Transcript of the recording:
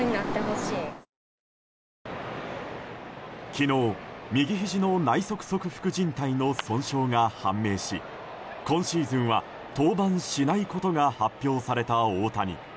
昨日、右ひじの内側側副じん帯の損傷が判明し今シーズンは登板しないことが発表された大谷。